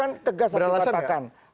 kan tegas aku katakan